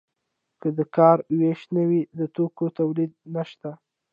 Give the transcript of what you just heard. که د کار ویش نه وي د توکو تولید نشته.